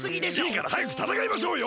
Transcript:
いいからはやくたたかいましょうよ！